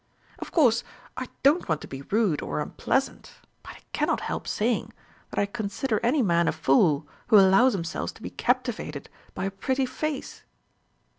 Of course, I don't want to be rude or unpleasant; but I cannot help saying, that I consider any man a fool who allows himself to be captivated by a pretty face."